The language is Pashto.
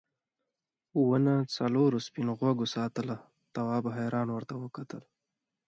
ونه څلورو سپین غوږو ساتله تواب حیران ورته وکتل.